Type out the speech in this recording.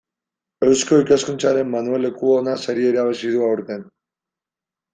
Eusko Ikaskuntzaren Manuel Lekuona saria irabazi du aurten.